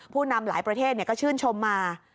นำหลายประเทศก็ชื่นชมมา